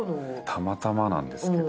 たまたまなんですけど。